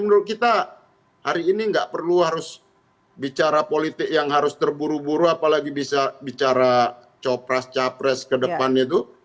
menurut kita hari ini nggak perlu harus bicara politik yang harus terburu buru apalagi bisa bicara copras capres ke depan itu